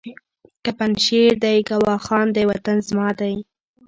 که پنجشېر دی که واخان دی وطن زما دی